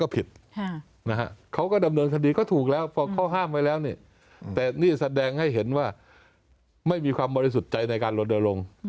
เพราะว่าไม่มีความบริสุทธิ์ใจในการลดลง